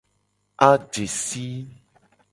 Aje si.